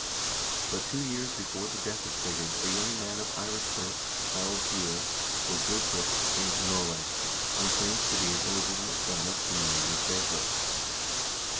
But two years before the death of Sigurd a young man of Irish birth, Harald Gille, or Gilchrist, came to Norway, and claimed to be an illegitimate son of King Magnus Barefoot.